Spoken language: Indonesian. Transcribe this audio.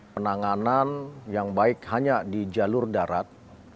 penanganan yang baik hanya di jalur darat